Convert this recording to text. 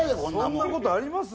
そんな事あります？